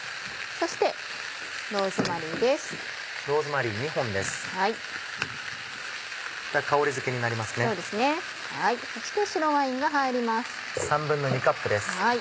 そして白ワインが入ります。